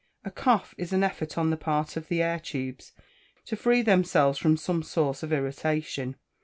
A cough is an effort on the part of the air tubes to free themselves from some source of irritation.